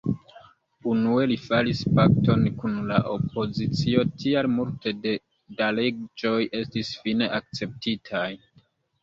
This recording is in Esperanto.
Unue li faris pakton kun la opozicio, tial multe da leĝoj estis fine akceptitaj.